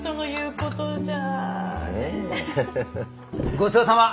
ごちそうさま！